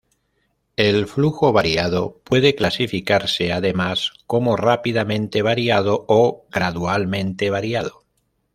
El flujo variado puede clasificarse, además, como rápidamente variado o gradualmente variado.